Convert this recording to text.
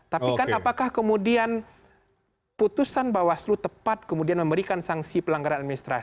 tapi kan apakah kemudian putusan bawaslu tepat kemudian memberikan sanksi pelanggaran administrasi